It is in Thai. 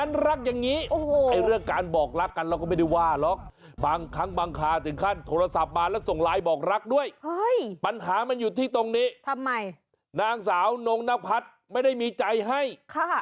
ครับเราก็เลยแต่งให้มันบรรยากาศเข้ากันหน่อยแบบนี้ละกัน